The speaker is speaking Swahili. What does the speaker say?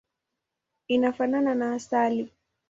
Inafanana na asali.